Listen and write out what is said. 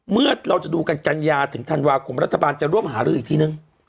เมื่อเราจะดูกันกัญญาถึงธันวาคมรัฐบาลจะร่วมหารืออีกทีนึง